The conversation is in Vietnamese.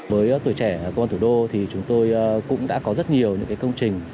với tuổi trẻ công an thủ đô thì chúng tôi cũng đã có rất nhiều những công trình